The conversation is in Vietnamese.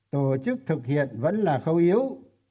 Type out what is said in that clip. tổ chức thực hiện vẫn là khâu yếu